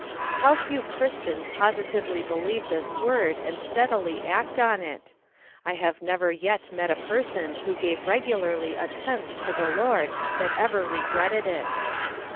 How few Christians positively believe this word and steadily act on it ! I have never yet met a person who gave regularly a tenth to the Lord that ever regretted it.